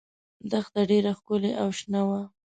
دښته ډېره ښکلې او شنه وه.